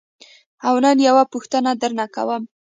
او نن یوه پوښتنه درنه کوم.